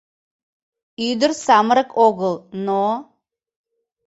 Ӱдыр самырык огыл, но...